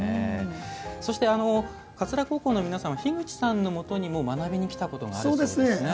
そして桂高校の皆さんは樋口さんのもとにも学びにきたことがあるそうですね。